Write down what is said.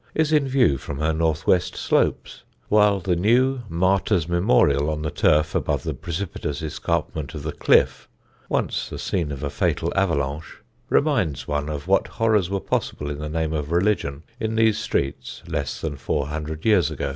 is in view from her north west slopes; while the new martyrs' memorial on the turf above the precipitous escarpment of the Cliffe (once the scene of a fatal avalanche) reminds one of what horrors were possible in the name of religion in these streets less than four hundred years ago.